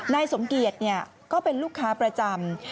นายสมเกียจก็เป็นลูกค้าประจำ